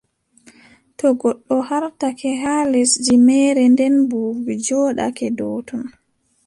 To goɗɗo haartake haa lesdi meere, nden buubi njooɗake dow ton,